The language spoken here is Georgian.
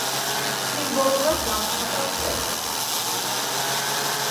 სიმბოლურად გამოხატავს კედელს.